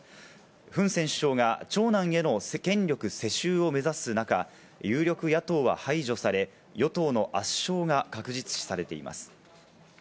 フン・セン首相が長男への権力世襲を目指す中、有力野党は排除され、与党の圧勝が確実視されています。